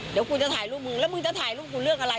เดี๋ยวกูจะถ่ายรูปมึงแล้วมึงจะถ่ายรูปกูเรื่องอะไร